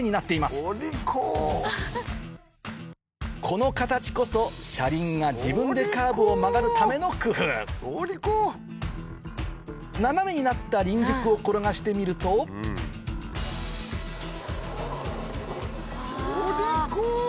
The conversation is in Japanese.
この形こそ車輪が自分でカーブを曲がるための工夫斜めになった輪軸を転がしてみるとお利口！